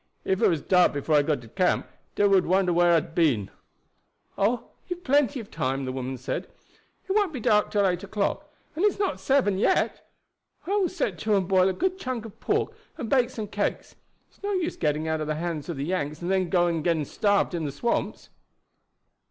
Ef it was dark before I got to camp dey would wonder whar I had been." "Oh, you have plenty of time," the woman said; "it won't be dark till eight o'clock, and it's not seven yet. I will set to and boil a good chunk of pork and bake some cakes. It's no use getting out of the hands of the Yanks and then going and getting starved in the swamps."